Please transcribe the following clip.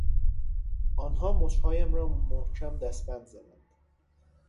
آنها مچهایم را محکم دستبند زدند.